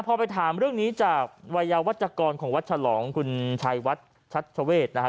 พอไปถามเรื่องนี้จากวัยยาวัชกรของวัดฉลองคุณชัยวัดชัชเวศนะครับ